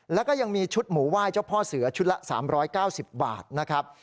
แล้วก็ยังมีชุดหมูไหว้เจ้าพ่อเสือชุดละ๓๙๐บาทนะครับ